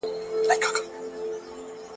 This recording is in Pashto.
د توبرکلوز درملنه څومره وخت نیسي؟